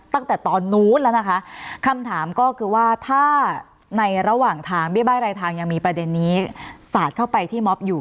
ตั้งแต่ตอนนู้นแล้วนะคะคำถามก็คือว่าถ้าในระหว่างทางเบี้ยบ้ายรายทางยังมีประเด็นนี้สาดเข้าไปที่ม็อบอยู่